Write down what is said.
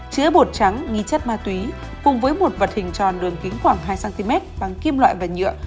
chứa bột trắng nghi chất ma túy cùng với một vật hình tròn đường kính khoảng hai cm bằng kim loại và nhựa